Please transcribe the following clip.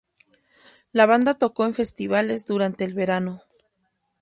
La banda tocó en festivales durante el verano.